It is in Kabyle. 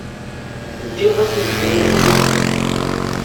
Ddiɣ-asent di nneqma.